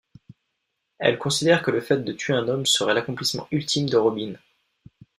Elle considère que le fait de tuer un homme serait l'accomplissement ultime de Robin.